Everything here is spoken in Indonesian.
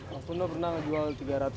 waktu itu pernah dijual tiga ratus lima puluh